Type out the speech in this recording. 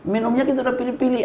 minumnya kita udah pilih pilih